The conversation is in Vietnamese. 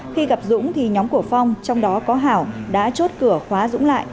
khi gặp dũng thì nhóm của phong trong đó có hảo đã chốt cửa khóa dũng lại